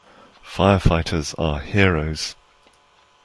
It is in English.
Firefighters are heroes.